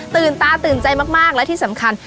ตาตื่นใจมากและที่สำคัญ